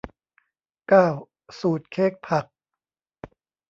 เก้า สูตรเค้กผัก